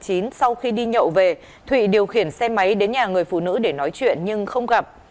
trậu về thụy điều khiển xe máy đến nhà người phụ nữ để nói chuyện nhưng không gặp